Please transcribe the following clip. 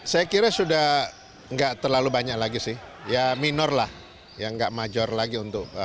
saya kira sudah nggak terlalu banyak lagi sih ya minor lah yang nggak major lagi untuk